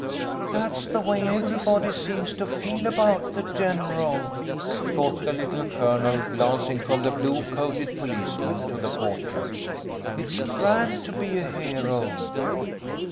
" That's the . way everybody seems to feel about the general," thought the Little Colonel, glancing from the blue coated policeman to the portrait. " It's grand to be a hero."